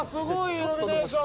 イルミネーション。